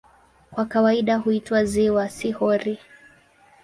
Kwa kawaida huitwa "ziwa", si "hori".